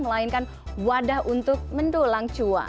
melainkan wadah untuk mendulang cuan